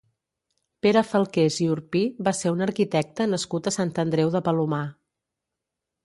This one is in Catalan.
Pere Falqués i Urpí va ser un arquitecte nascut a Sant Andreu de Palomar.